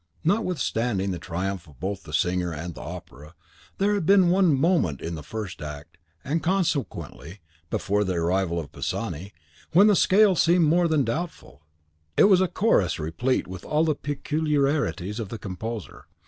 Now notwithstanding the triumph both of the singer and the opera, there had been one moment in the first act, and, consequently, BEFORE the arrival of Pisani, when the scale seemed more than doubtful. It was in a chorus replete with all the peculiarities of the composer.